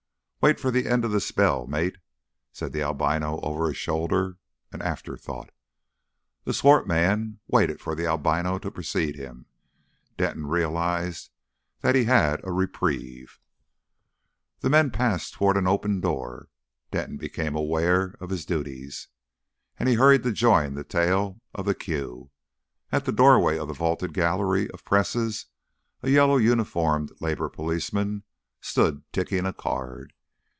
"Wait for the end of the spell, mate," said the albino over his shoulder an afterthought. The swart man waited for the albino to precede him. Denton realised that he had a reprieve. The men passed towards an open door. Denton became aware of his duties, and hurried to join the tail of the queue. At the doorway of the vaulted gallery of presses a yellow uniformed labour policeman stood ticking a card.